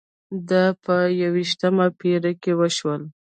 دا په یوویشتمه پېړۍ کې وشول.